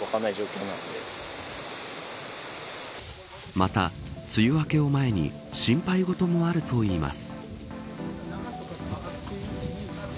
また梅雨明けを前に心配事もあるといいます。